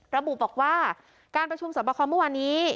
ระบุบอกว่าการประชุมสอบคอเมื่อวานนี้